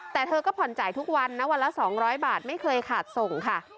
แต่เธอก็ผ่อนจ่ายทุกวันนะวันละ๒๐๐บาทไม่เคยขาดส่งค่ะ